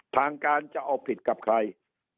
ทางการจะเอาผิดกับใคร